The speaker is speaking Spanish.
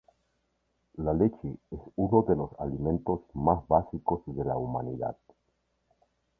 La leche es uno de los alimentos más básicos de la humanidad.